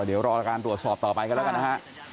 เดี๋ยวรอการตรวจสอบต่อไปกันแล้วกันนะฮะ